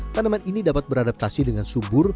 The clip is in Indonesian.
tanaman ini dapat beradaptasi dengan subur